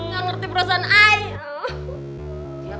gak ngerti perasaan ayah